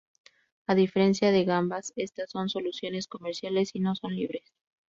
A diferencia de Gambas, estas son soluciones comerciales y no son libres.